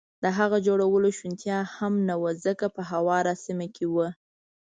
د هغه د جوړولو شونتیا هم نه وه، ځکه په هواره سیمه کې و.